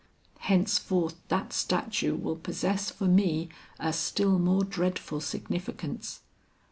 Henceforth that statue will possess for me a still more dreadful significance."